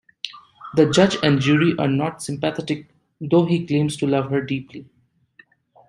The judge and jury are not sympathetic, though he claims to love her deeply.